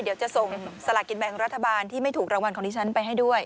เดี๋ยวจะส่งสลากินแบ่งรัฐบาลที่ไม่ถูกรางวัลของดิฉันไปให้ด้วย